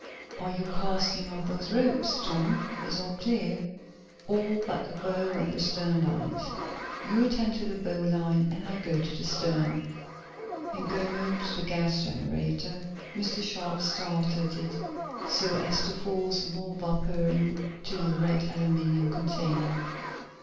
Are you casting off those ropes, Tom? Is all clear?" "All but the bow and stern lines." "You attend to the bow line, and I'll go to the stern," and, going over to the gas generator, Mr. Sharp started it so as to force more vapor into the red aluminum container.